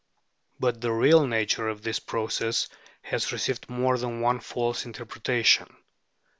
But the real nature of this process has received more than one false interpreta tion.